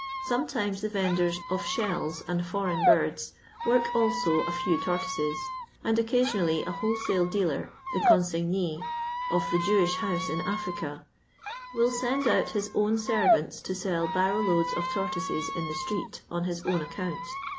Sometimes the vendors of shells and foreign birds work "also a few tor toises, and occasionally a wholesale dealer (the consignee of tho Jewish house in Africa) will send out his own servants to sell barrow loads of tortoises in the street on his own account.